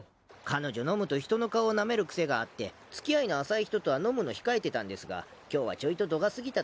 彼女飲むと人の顔をなめる癖があって付き合いの浅い人とは飲むの控えてたんですが今日はちょいと度が過ぎたということで。